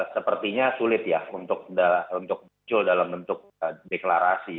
sepertinya sulit ya untuk muncul dalam bentuk deklarasi